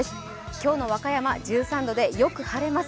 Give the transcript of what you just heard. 今日の和歌山、１３度でよく晴れます。